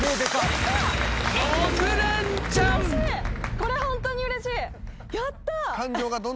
これホントにうれしい！